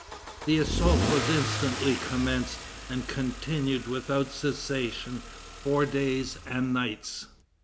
The assault was instantly commenced, and continued without cessation four days and nights.